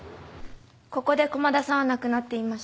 ここで駒田さんは亡くなっていました。